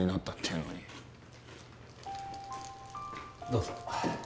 どうぞ。